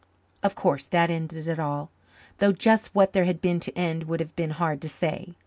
Of course that ended it all though just what there had been to end would have been hard to say.